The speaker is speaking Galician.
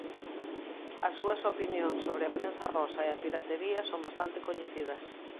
As súas opinións sobre a prensa rosa e a piratería son bastante coñecidas.